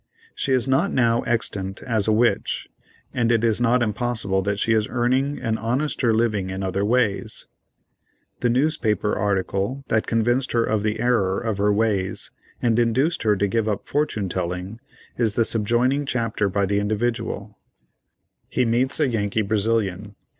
She is not now extant as a witch, and it is not impossible that she is earning an honester living in other ways. The newspaper article that convinced her of the error of her ways, and induced her to give up fortune telling, is the subjoined chapter by the "Individual:" He meets a Yankee Brazilian.